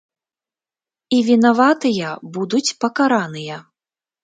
І вінаватыя будуць пакараныя.